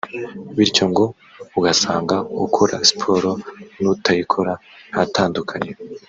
bityo ngo ugasanga ukora siporo n’utayikora nta tandukaniro